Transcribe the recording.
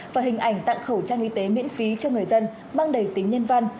và hình ảnh tặng khẩu trang y tế miễn phí cho người dân mang đầy tính nhân văn